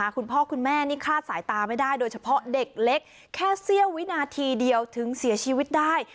คุณพ่อคุณแม่นี่คลาดสายตาไม่ได้โดยเฉพาะเด็กเล็กแค่เสี้ยววินาทีเดียวถึงเสียชีวิตได้